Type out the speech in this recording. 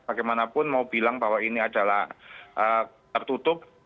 bagaimanapun mau bilang bahwa ini adalah tertutup